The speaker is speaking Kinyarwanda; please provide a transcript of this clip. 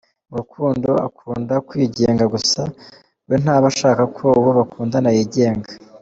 Mu rukundo akunda kwigenga gusa we ntaba ashaka ko uwo bakundana yigenga.